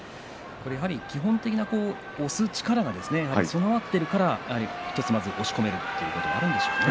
基本的な押す力が備わっているから押し込めるということもあるんでしょうかね。